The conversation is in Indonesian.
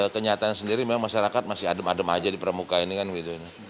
kenyataan sendiri memang masyarakat masih adem adem aja di pramuka ini kan gitu